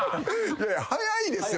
早いですよ